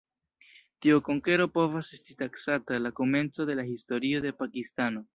Tiu konkero povas esti taksata la komenco de la historio de Pakistano.